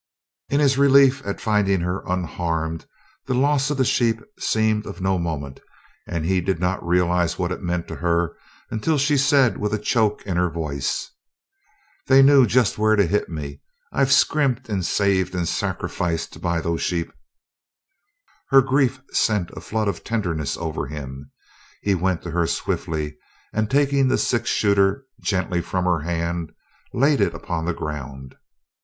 In his relief at finding her unharmed, the loss of the sheep seemed of no moment and he did not realize what it meant to her until she said with a choke in her voice: "They knew just where to hit me. I've scrimped and saved and sacrificed to buy those sheep " Her grief sent a flood of tenderness over him. He went to her swiftly, and taking the six shooter gently from her hand laid it upon the ground.